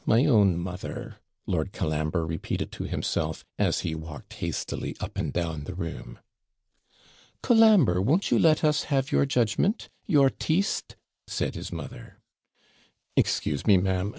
My own mother!' Lord Colambre repeated to himself, as he walked hastily up and down the room. 'Colambre, won't you let us have your judgment your TEESTE' said his mother. 'Excuse me, ma'am.